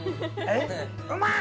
うまい！